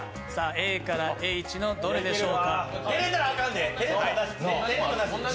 ＡからＨのどれでしょう。